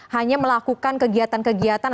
hanya melakukan kegiatan kegiatan